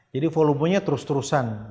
jadi volumenya terus terusan